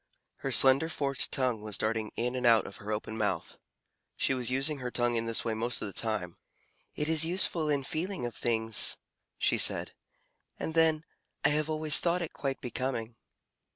Her slender forked tongue was darting in and out of her open mouth. She was using her tongue in this way most of the time. "It is useful in feeling of things," she said, "and then, I have always thought it quite becoming."